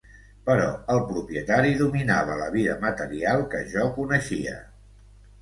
Però el propietari dominava la vida material que jo coneixia.